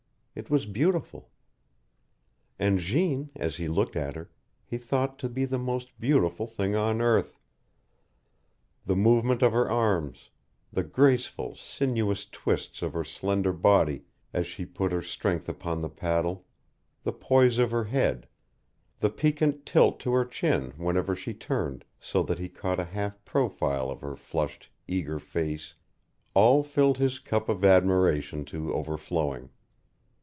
It was beautiful. And Jeanne, as he looked at her, he thought to be the most beautiful thing on earth. The movement of her arms, the graceful, sinuous twists of her slender body as she put her strength upon the paddle, the poise of her head, the piquant tilt to her chin whenever she turned so that he caught a half profile of her flushed, eager face all filled his cup of admiration to overflowing.